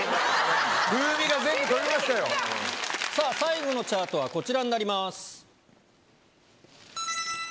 さぁ最後のチャートはこちらになります。